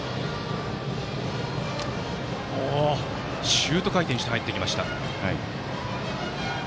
シュート回転して入っていきました。